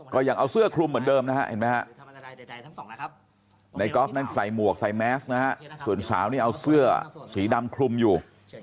ก็ยังเอาเสื้อคลุมเหมือนเดิมนะฮะเห็นไหมฮะในกอล์ฟนั้นใส่หมวกใส่แมสนะฮะส่วนสาวนี่เอาเสื้อสีดำคลุมอยู่